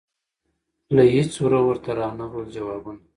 له هیڅ وره ورته رانغلل جوابونه